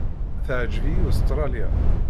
Teɛjeb-iyi Ustṛalya.